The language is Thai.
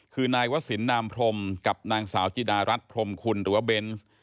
คือนายวศิลปนามพรมกับนางสาวจิดารัฐพรมคุณหรือว่าเบนส์